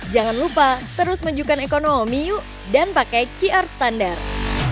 jangan lupa terus menunjukkan ekonomi yuk dan pakai qr standar